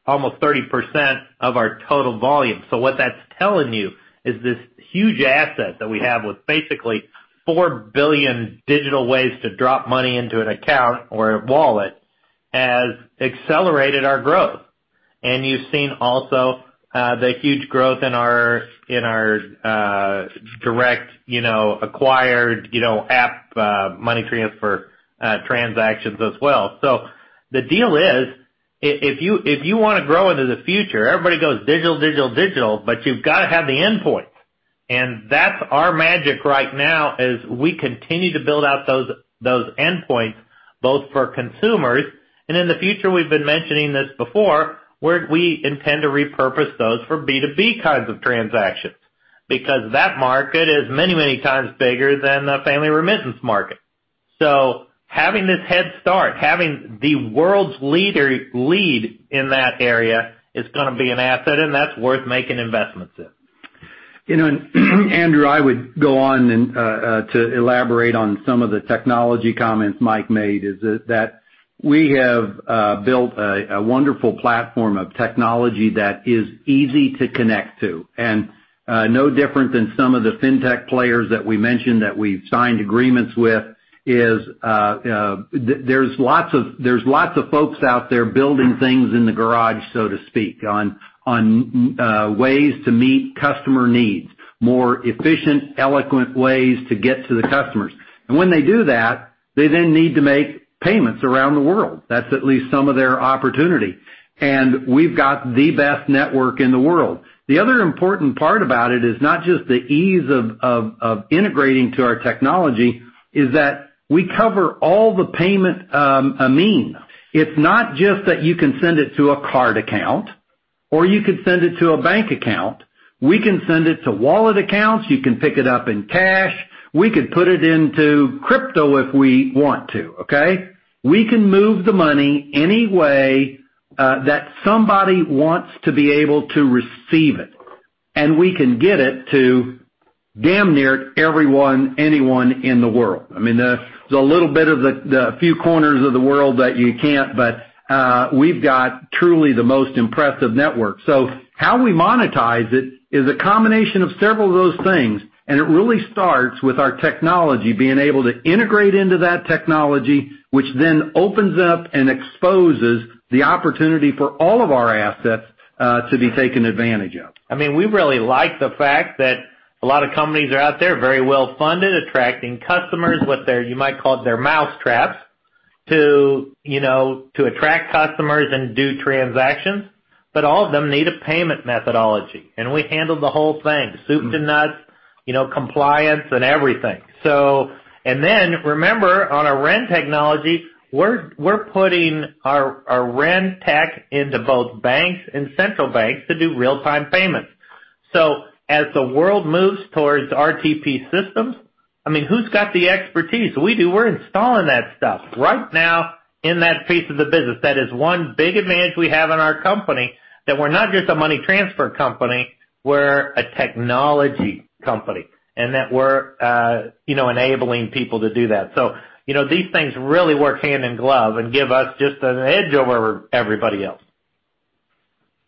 almost 30% of our total volume. What that's telling you is this huge asset that we have with basically 4 billion digital ways to drop money into an account or a wallet has accelerated our growth. You've seen also the huge growth in our direct acquired app money transfer transactions as well. The deal is if you want to grow into the future, everybody goes digital, digital, but you've got to have the endpoint. That's our magic right now is we continue to build out those endpoints, both for consumers, and in the future, we've been mentioning this before, where we intend to repurpose those for B2B kinds of transactions. That market is many, many times bigger than the family remittance market. Having this head start, having the world's lead in that area, is going to be an asset, and that's worth making investments in.
Andrew, I would go on and to elaborate on some of the technology comments Mike made, is that we have built a wonderful platform of technology that is easy to connect to. No different than some of the fintech players that we mentioned that we've signed agreements with is, there's lots of folks out there building things in the garage, so to speak, on ways to meet customer needs, more efficient, eloquent ways to get to the customers. When they do that, they then need to make payments around the world. That's at least some of their opportunity. We've got the best network in the world. The other important part about it is not just the ease of integrating to our technology, is that we cover all the payment means. It's not just that you can send it to a card account or you could send it to a bank account. We can send it to wallet accounts. You can pick it up in cash. We could put it into crypto if we want to. Okay. We can move the money any way that somebody wants to be able to receive it, and we can get it to damn near everyone, anyone in the world. There's a little bit of the few corners of the world that you can't, but we've got truly the most impressive network. How we monetize it is a combination of several of those things, and it really starts with our technology, being able to integrate into that technology, which then opens up and exposes the opportunity for all of our assets to be taken advantage of.
We really like the fact that a lot of companies are out there, very well-funded, attracting customers with their, you might call it their mousetraps, to attract customers and do transactions, but all of them need a payment methodology. We handle the whole thing, soup to nuts, compliance and everything. Remember, on our REN technology, we're putting our REN tech into both banks and central banks to do real-time payments. As the world moves towards RTP systems, who's got the expertise? We do. We're installing that stuff right now in that piece of the business. That is one big advantage we have in our company that we're not just a money transfer company, we're a technology company, and that we're enabling people to do that. These things really work hand in glove and give us just an edge over everybody else.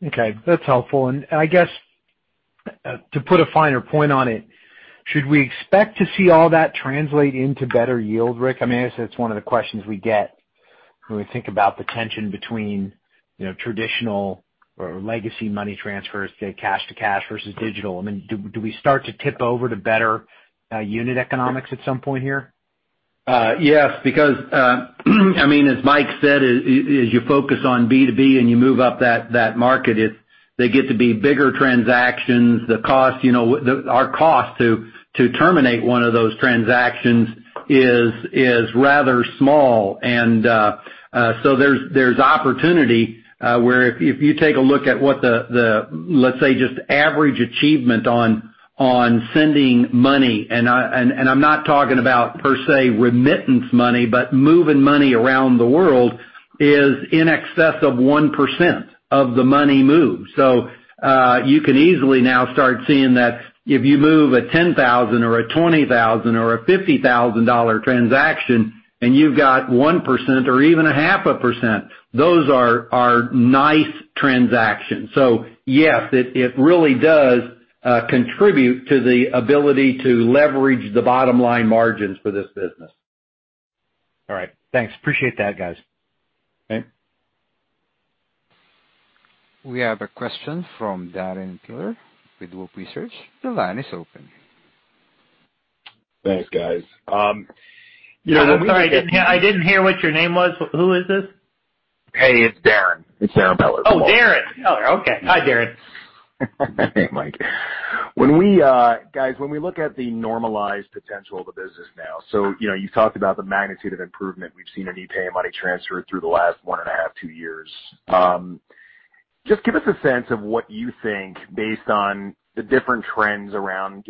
Okay, that's helpful. I guess to put a finer point on it, should we expect to see all that translate into better yield, Rick? I guess that's one of the questions we get when we think about the tension between traditional or legacy money transfers, say, cash to cash versus digital. Do we start to tip over to better unit economics at some point here?
Yes, because as Mike said, as you focus on B2B and you move up that market, they get to be bigger transactions. Our cost to terminate one of those transactions is rather small. There's opportunity, where if you take a look at what the, let's say, just average achievement on sending money, and I'm not talking about per se remittance money, but moving money around the world is in excess of 1% of the money moved. You can easily now start seeing that if you move a $10,000 or a $20,000 or a $50,000 transaction and you've got 1% or even a half a percent, those are nice transactions. Yes, it really does contribute to the ability to leverage the bottom line margins for this business.
All right. Thanks. Appreciate that, guys.
Okay.
We have a question from Darrin Peller with Wolfe Research. The line is open.
Thanks, guys.
I'm sorry, I didn't hear what your name was. Who is this?
Hey, it's Darrin. It's Darrin Peller from Wolfe.
Oh, Darrin Peller. Okay. Hi, Darrin.
Hey, Mike. Guys, when we look at the normalized potential of the business now, you've talked about the magnitude of improvement we've seen in epay and money transfer through the last 1.5 years, two years. Just give us a sense of what you think based on the different trends around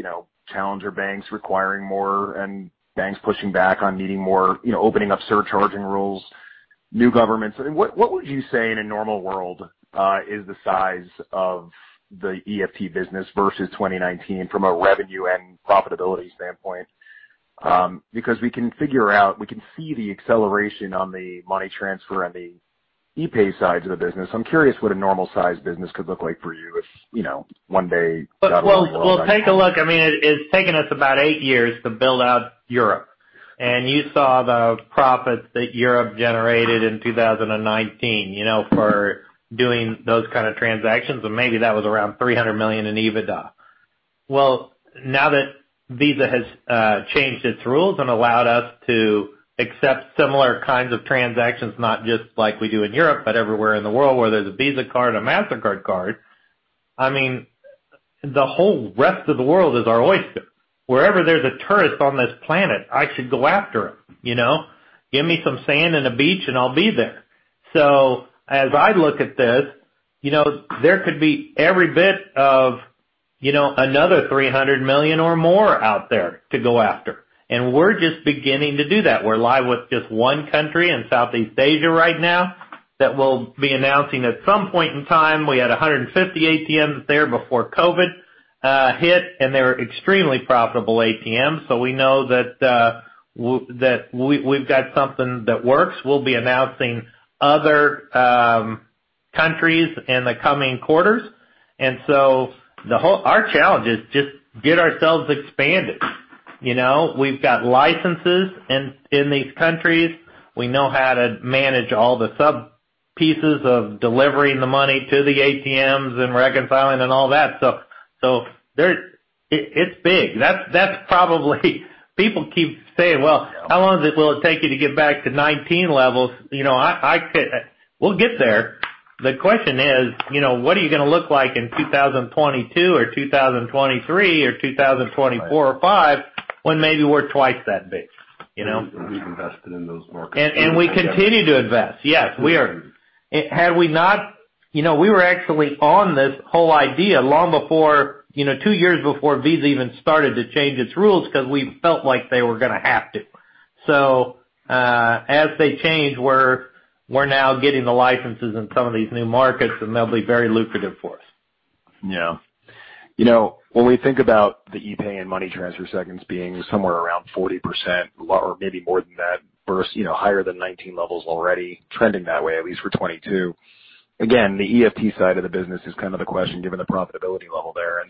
challenger banks requiring more and banks pushing back on needing more, opening up surcharging rules, new governments. What would you say in a normal world is the size of the EFT business versus 2019 from a revenue and profitability standpoint? We can figure out, we can see the acceleration on the money transfer and the epay sides of the business. I'm curious what a normal-sized business could look like for you if one day we got a normal world back.
Take a look. It's taken us about eight years to build out Europe, and you saw the profits that Europe generated in 2019 for doing those kind of transactions, and maybe that was around $300 million in EBITDA. Now that Visa has changed its rules and allowed us to accept similar kinds of transactions, not just like we do in Europe, but everywhere in the world, whether there's a Visa card, a Mastercard card, the whole rest of the world is our oyster. Wherever there's a tourist on this planet, I should go after them. Give me some sand and a beach, and I'll be there. As I look at this, there could be every bit of another $300 million or more out there to go after, and we're just beginning to do that. We're live with just one country in Southeast Asia right now that we'll be announcing at some point in time. We had 150 ATMs there before COVID hit. They were extremely profitable ATMs. We know that we've got something that works. We'll be announcing other countries in the coming quarters. Our challenge is just get ourselves expanded. We've got licenses in these countries. We know how to manage all the sub-pieces of delivering the money to the ATMs and reconciling and all that stuff. It's big. People keep saying, "Well, how long will it take you to get back to 2019 levels?" We'll get there. The question is, what are you going to look like in 2022 or 2023 or 2024 or 2025 when maybe we're twice that big?
You have invested in those markets.
We continue to invest. Yes. We were actually on this whole idea two years before Visa even started to change its rules because we felt like they were going to have to. As they change, we're now getting the licenses in some of these new markets, and they'll be very lucrative for us.
Yeah. When we think about the epay and money transfer segments being somewhere around 40% or maybe more than that, higher than 2019 levels already trending that way, at least for 2022. The EFT side of the business is the question, given the profitability level there.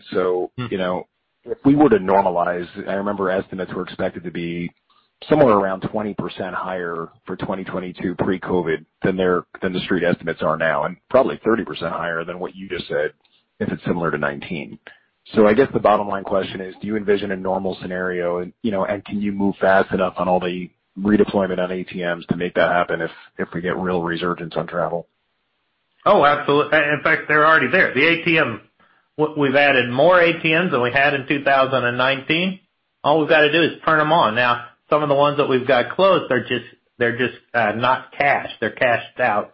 If we were to normalize, I remember estimates were expected to be somewhere around 20% higher for 2022 pre-COVID than the street estimates are now, and probably 30% higher than what you just said, if it's similar to 2019. I guess the bottom line question is, do you envision a normal scenario, and can you move fast enough on all the redeployment on ATMs to make that happen if we get real resurgence on travel?
Absolutely. In fact, they're already there. The ATM, we've added more ATMs than we had in 2019. All we've got to do is turn them on. Some of the ones that we've got closed they're just not cashed. They're cashed out.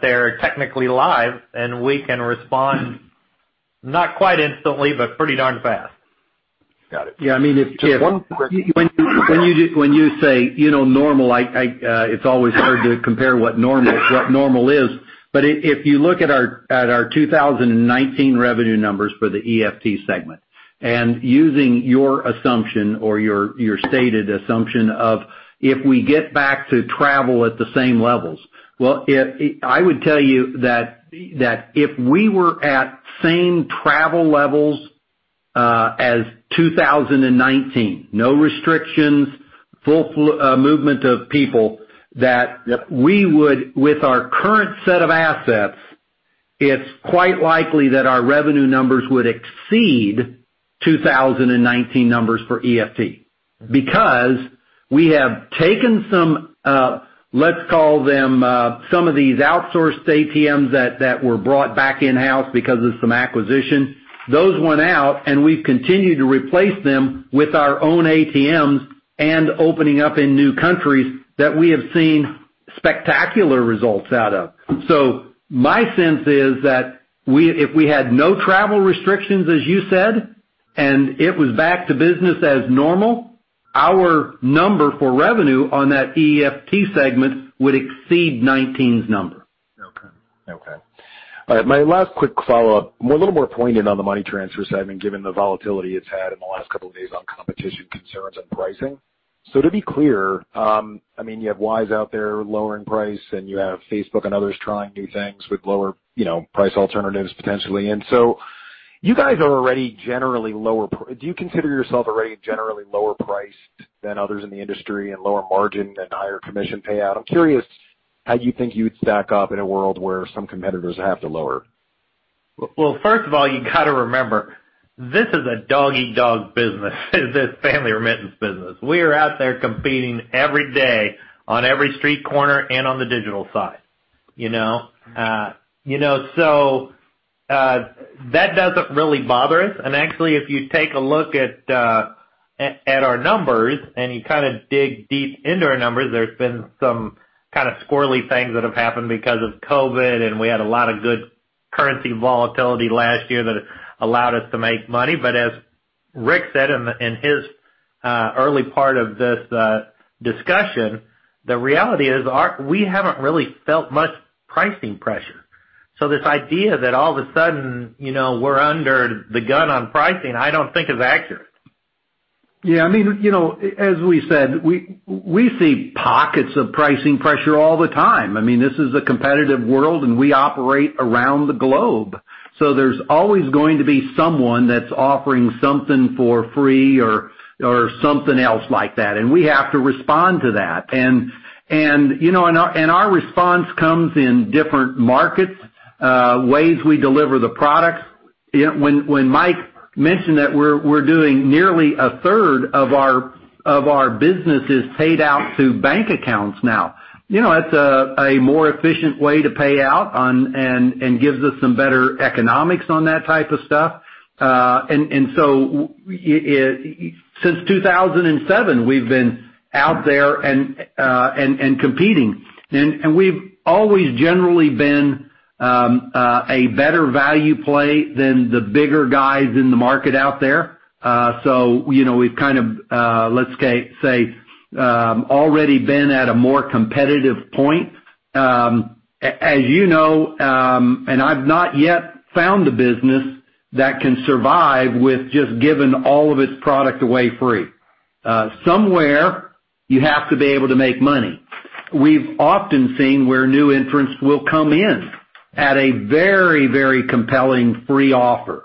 They're technically live, and we can respond, not quite instantly, but pretty darn fast.
Got it.
Yeah. When you say normal, it's always hard to compare what normal is. If you look at our 2019 revenue numbers for the EFT segment and using your assumption or your stated assumption of if we get back to travel at the same levels, well, I would tell you that if we were at same travel levels as 2019, no restrictions, full movement of people, that we would, with our current set of assets, it's quite likely that our revenue numbers would exceed 2019 numbers for EFT because we have taken some, let's call them, some of these outsourced ATMs that were brought back in-house because of some acquisition. Those went out, and we've continued to replace them with our own ATMs and opening up in new countries that we have seen spectacular results out of. My sense is that if we had no travel restrictions, as you said, and it was back to business as normal, our number for revenue on that EFT segment would exceed 2019's number.
Okay. All right. My last quick follow-up, a little more poignant on the money transfer segment, given the volatility it's had in the last couple of days on competition concerns and pricing. To be clear, you have Wise out there lowering price, and you have Facebook and others trying new things with lower price alternatives, potentially. Do you consider yourself already generally lower priced than others in the industry and lower margin and higher commission payout? I'm curious how you think you'd stack up in a world where some competitors have to lower.
First of all, you got to remember, this is a dog-eat-dog business. This family remittance business. We are out there competing every day on every street corner and on the digital side. That doesn't really bother us. Actually, if you take a look at our numbers and you dig deep into our numbers, there's been some squirrely things that have happened because of COVID, and we had a lot of good currency volatility last year that allowed us to make money. As Rick Weller said in his early part of this discussion, the reality is we haven't really felt much pricing pressure. This idea that all of a sudden, we're under the gun on pricing, I don't think is accurate.
Yeah. As we said, we see pockets of pricing pressure all the time. This is a competitive world, and we operate around the globe. There's always going to be someone that's offering something for free or something else like that, and we have to respond to that. Our response comes in different markets, ways we deliver the products. When Mike mentioned that we're doing nearly a third of our business is paid out through bank accounts now. That's a more efficient way to pay out and gives us some better economics on that type of stuff. Since 2007, we've been out there and competing. We've always generally been a better value play than the bigger guys in the market out there. We've kind of, let's say, already been at a more competitive point. As you know, and I've not yet found a business that can survive with just giving all of its product away free. Somewhere you have to be able to make money. We've often seen where new entrants will come in at a very compelling free offer.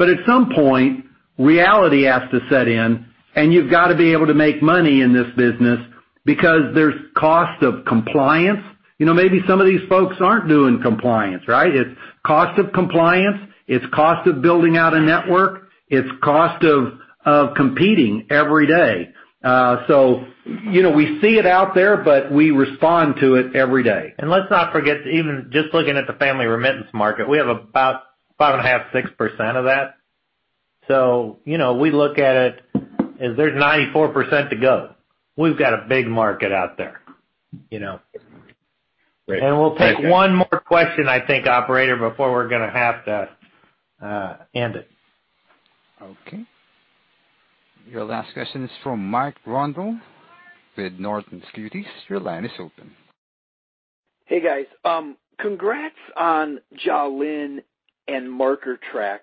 At some point, reality has to set in, and you've got to be able to make money in this business because there's cost of compliance. Maybe some of these folks aren't doing compliance, right. It's cost of compliance, it's cost of building out a network, it's cost of competing every day. We see it out there, but we respond to it every day.
Let's not forget, even just looking at the family remittance market, we have about 5.5%, 6% of that. We look at it as there's 94% to go. We've got a big market out there.
Great.
We'll take one more question, I think, operator, before we're going to have to end it.
Okay. Your last question is from Mike Grondahl with Northland Securities. Your line is open.
Hey, guys. Congrats on Jalin and Marker Trax.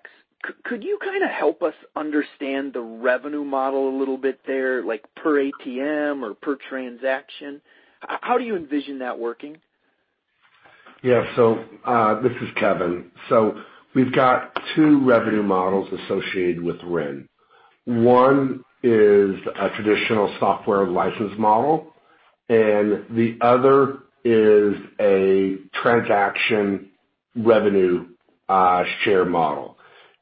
Could you kind of help us understand the revenue model a little bit there, like per ATM or per transaction? How do you envision that working?
This is Kevin. We've got two revenue models associated with REN. One is a traditional software license model, and the other is a transaction revenue share model.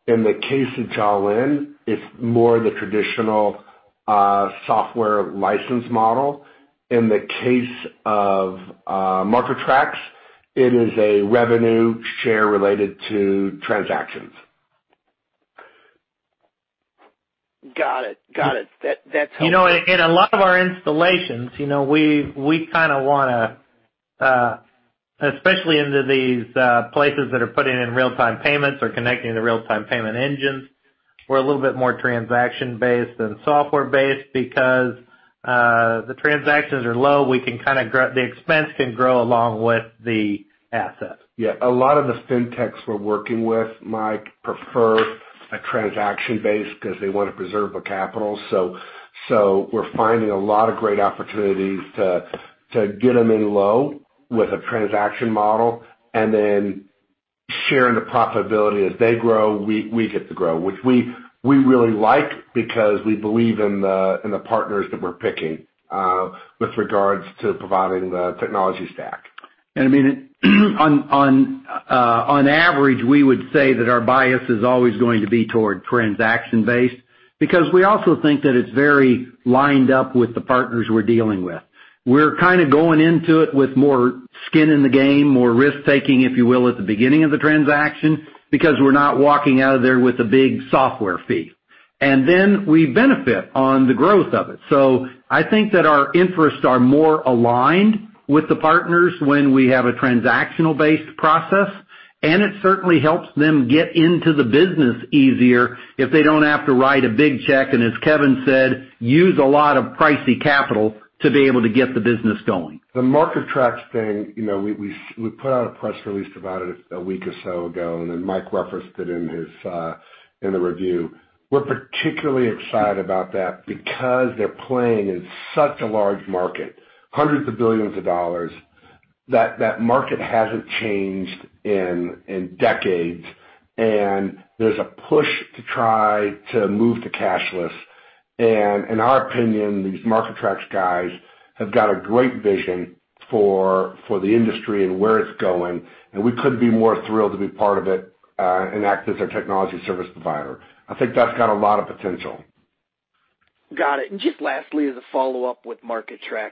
In the case of Jalin, it's more the traditional software license model. In the case of Marker Trax, it is a revenue share related to transactions.
Got it. That's helpful.
In a lot of our installations, we kind of want to, especially into these places that are putting in real-time payments or connecting the real-time payment engines, we're a little bit more transaction-based than software-based because the transactions are low. The expense can grow along with the asset.
Yeah, a lot of the fintechs we're working with, Mike, prefer a transaction base because they want to preserve the capital. We're finding a lot of great opportunities to get them in low with a transaction model, and then sharing the profitability. As they grow, we get to grow, which we really like because we believe in the partners that we're picking with regards to providing the technology stack.
I mean, on average, we would say that our bias is always going to be toward transaction-based, because we also think that it's very lined up with the partners we're dealing with. We're kind of going into it with more skin in the game, more risk-taking, if you will, at the beginning of the transaction because we're not walking out of there with a big software fee. Then we benefit on the growth of it. I think that our interests are more aligned with the partners when we have a transactional-based process, and it certainly helps them get into the business easier if they don't have to write a big check, and as Kevin said, use a lot of pricey capital to be able to get the business going.
The Marker Trax thing we put out a press release about it a week or so ago, and then Mike referenced it in the review. We're particularly excited about that because they're playing in such a large market, hundreds of billions of dollars. That market hasn't changed in decades. There's a push to try to move to cashless. In our opinion, these Marker Trax guys have got a great vision for the industry and where it's going, and we couldn't be more thrilled to be part of it and act as their technology service provider. I think that's got a lot of potential.
Got it. Just lastly, as a follow-up with Marker Trax,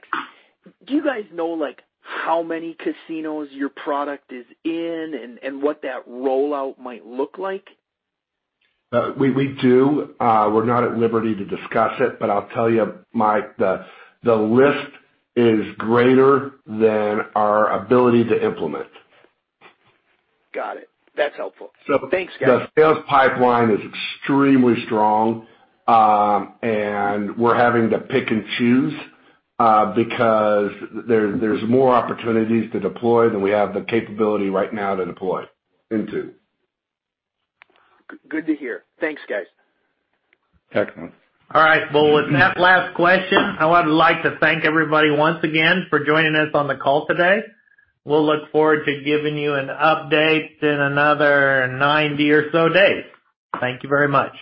do you guys know how many casinos your product is in and what that rollout might look like?
We do. We're not at liberty to discuss it, but I'll tell you, Mike, the list is greater than our ability to implement.
Got it. That's helpful. Thanks, guys.
The sales pipeline is extremely strong. We're having to pick and choose because there's more opportunities to deploy than we have the capability right now to deploy into.
Good to hear. Thanks, guys.
Excellent.
Well, with that last question, I would like to thank everybody once again for joining us on the call today. We'll look forward to giving you an update in another 90 or so days. Thank you very much.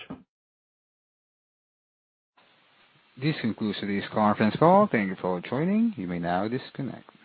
This concludes today's conference call. Thank you for joining. You may now disconnect.